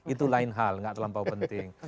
itu lain hal gak terlampau penting